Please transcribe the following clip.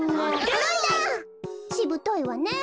しぶといわねえ。